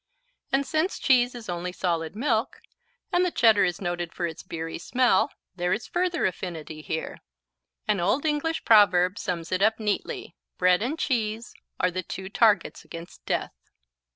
And since cheese is only solid milk, and the Cheddar is noted for its beery smell, there is further affinity here. An old English proverb sums it up neatly: "Bread and cheese are the two targets against death."